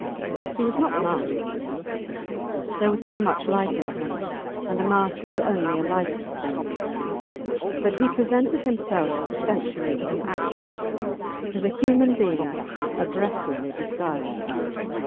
He was not masked there was too much life in him, and a mask is only a lifeless thing; but he presented himself essentially as an actor, as a human being aggressively disguised.